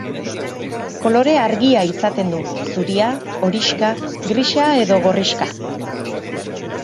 Kolore argia izaten du, zuria, horixka, grisa edo gorrixka.